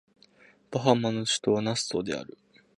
バハマの首都はナッソーである